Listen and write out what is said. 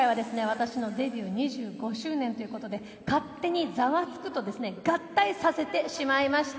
私のデビュー２５周年という事で勝手に『ザワつく！』とですね合体させてしまいました。